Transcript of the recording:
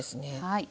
はい。